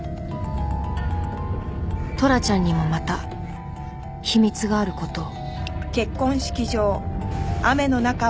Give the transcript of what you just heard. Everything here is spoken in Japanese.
トラちゃんにもまた秘密がある事を